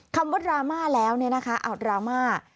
คำว่าดราม่าแล้วเนี่ยนะคะดราม่า